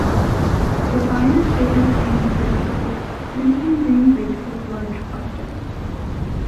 The vine is vigorous and productive, producing green grapes with large clusters.